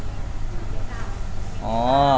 พูดถึงหนักชายตั้งแต่เยอะไหมครับ